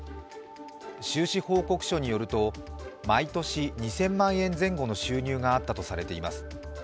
収支報告書によると毎年２０００万円前後の収入があったとされています。